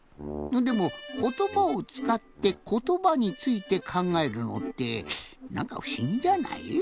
でもことばをつかってことばについてかんがえるのってなんかふしぎじゃない？